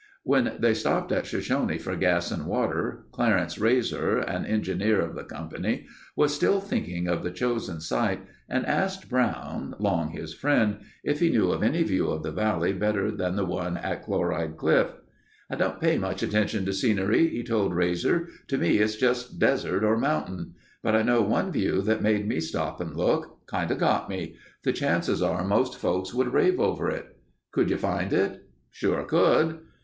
When they stopped at Shoshone for gas and water, Clarence Rasor, an engineer of the company was still thinking of the chosen site and asked Brown, long his friend, if he knew of any view of the valley better than the one at Chloride Cliff. "I don't pay much attention to scenery," he told Rasor. "To me it's all just desert or mountain. But I know one view that made me stop and look. Kinda got me. The chances are most folks would rave over it." "Could you find it?" "Sure could...."